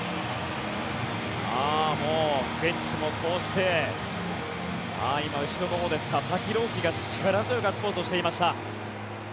もうベンチもこうして今、後ろのほうで佐々木朗希が力強いガッツポーズをしていました。